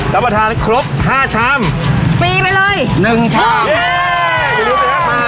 ตั้งประทานครบห้าช้ำฟรีไปเลยหนึ่งช้ำเย้คุณผู้ชมค่ะ